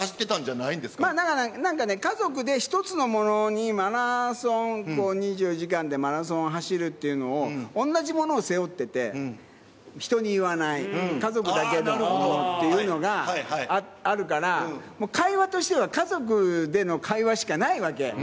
なんかね、家族で一つのものに、マラソン、２４時間でマラソン走るっていうのを、おんなじものを背負ってて、人に言わない、家族だけのものっていうのがあるから、もう会話としては家族での会話しかないわけ。